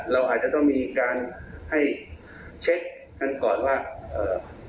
เราอาจจะต้องมีการให้เช็คกันก่อนว่าเอ่อ